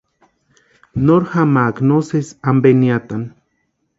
Nori jamaaka no sési ampe niatani.